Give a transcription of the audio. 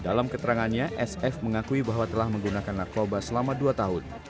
dalam keterangannya sf mengakui bahwa telah menggunakan narkoba selama dua tahun